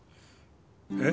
え？